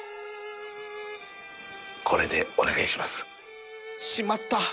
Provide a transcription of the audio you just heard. これでお願いします。